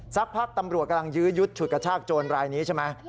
สักพักตำรวจกำลังยื้อยุดฉุดกระชากโจรรายนี้ใช่ไหม